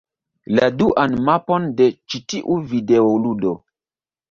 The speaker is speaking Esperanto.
La duan mapon de ĉi tiu videoludo.